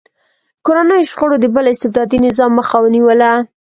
کورنیو شخړو د بل استبدادي نظام مخه ونیوله.